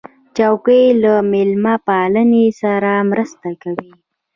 چوکۍ له میلمهپالۍ سره مرسته کوي.